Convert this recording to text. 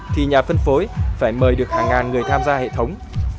thì nhà phân phối phải mời được hàng ngàn người tham gia hệ thống